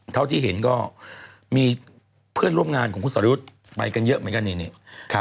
เท่าที่เห็นก็มีเพื่อนร่วมงานของคุณสรยุทธ์ไปกันเยอะเหมือนกันนี่